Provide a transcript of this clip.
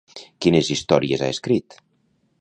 Quines històries ha escrit?